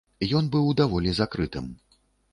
Ён быў даволі закрытым.